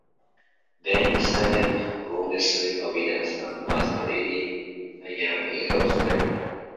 Vain sired two Golden Slipper winners and was a leading sire in Australia.